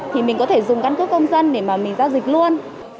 thì mình có thể dùng căn cước công dân để mà mình giao dịch luôn